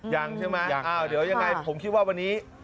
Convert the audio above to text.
ยังใช่ไหมยังอ้าวเดี๋ยวยังไงผมคิดว่าวันนี้